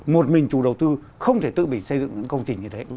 một mình trù đầu tư không thể tự bị xây dựng những công trình như thế